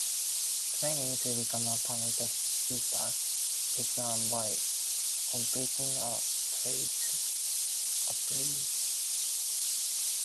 Training to become a panel beater is done by completing a trade apprenticeship.